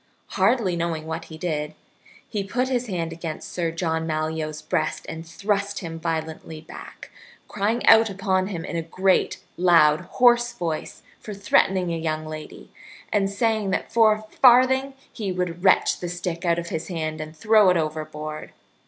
Hardly knowing what he did, he put his hand against Sir John Malyoe's breast and thrust him violently back, crying out upon him in a great, loud, hoarse voice for threatening a young lady, and saying that for a farthing he would wrench the stick out of his hand and throw it overboard.